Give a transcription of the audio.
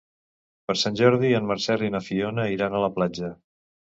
Per Sant Jordi en Marcel i na Fiona iran a la platja.